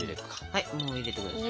はいもう入れてください。